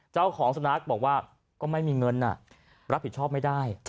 เจ้าของสุนัขบอกว่าก็ไม่มีเงินรับผิดชอบไม่ได้